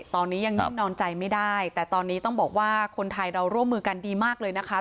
ตอนนี้ยังนิ่งนอนใจไม่ได้แต่ตอนนี้ต้องบอกว่าคนไทยเราร่วมมือกันดีมากเลยนะคะ